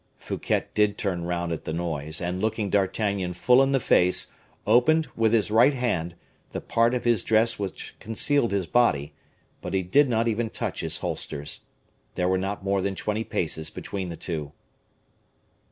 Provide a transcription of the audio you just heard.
Fouquet did turn round at the noise, and looking D'Artagnan full in the face, opened, with his right hand, the part of his dress which concealed his body, but he did not even touch his holsters. There were not more than twenty paces between the two.